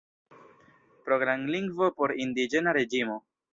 Programlingvo por indiĝena reĝimo.